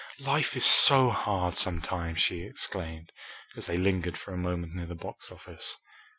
"Life is so hard sometimes!" she exclaimed, as they lingered for a moment near the box office.